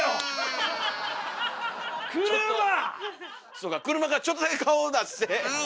そうか車からちょっとだけ顔を出して。